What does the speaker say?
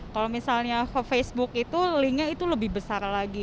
kalau misalnya ke facebook itu linknya itu lebih besar lagi